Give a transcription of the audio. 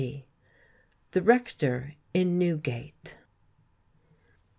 THE RECTOR IN NEWGATE.